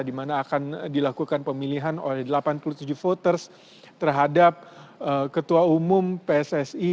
di mana akan dilakukan pemilihan oleh delapan puluh tujuh voters terhadap ketua umum pssi